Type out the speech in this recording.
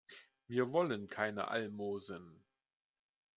Wir wollen keine Almosen.